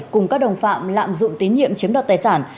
cùng các đồng phạm lạm dụng tín nhiệm chiếm đoạt tài sản